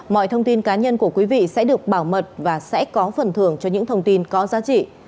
mọi thông tin cá nhân của quý vị sẽ được bảo mật và sẽ có phần thưởng cho những thông tin có giá trị